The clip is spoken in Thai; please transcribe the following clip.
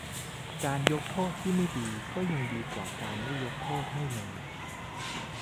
การยกโทษที่ไม่ดีก็ยังดีกว่าไม่ยกโทษให้เลย